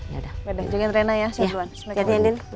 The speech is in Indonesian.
jangan jagain rena ya saya duluan